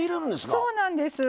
そうなんです。